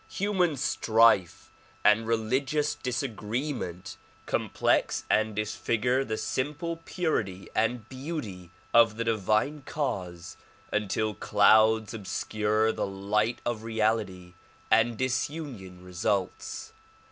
Human strife and religious disagreement complex and disfigure the simple purity and beauty of the divine cause until clouds obscure the light of reality and disunion results.